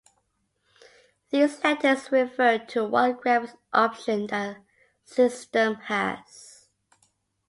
These letters refer to what graphics option the system has.